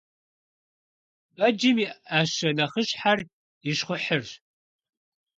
Бэджым и Iэщэ нэхъыщхьэр и щхъухьырщ.